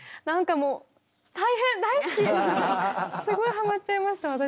すごいハマっちゃいました私。